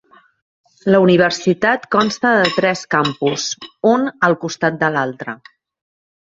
La Universitat consta de tres campus, un al costat de l'altre.